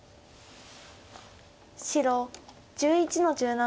白１１の十七。